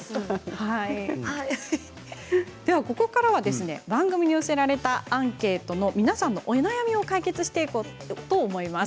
ここからは番組に寄せられたアンケートで皆さんのお悩みを解決していきます。